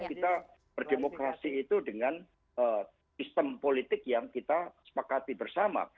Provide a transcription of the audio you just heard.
kita berdemokrasi itu dengan sistem politik yang kita sepakati bersama